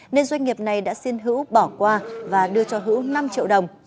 nên doanh nghiệp này đã xin hữu bỏ qua và đưa cho hữu năm triệu đồng